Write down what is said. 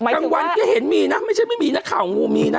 กลางวันก็เห็นมีนะใช่มั้ยคราวงูมีนะ